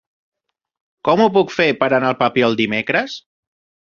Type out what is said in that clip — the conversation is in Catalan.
Com ho puc fer per anar al Papiol dimecres?